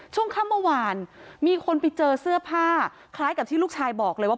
ช่วงค่ำเมื่อวานมีคนไปเจอเสื้อผ้าคล้ายกับที่ลูกชายบอกเลยว่า